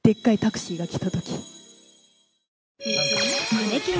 胸キュン